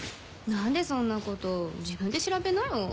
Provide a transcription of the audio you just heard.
何でそんなこと自分で調べなよ。